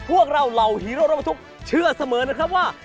พวกเราเหล่าฮีโร่รถบรรทุกเชื่อเสมอนะครับว่า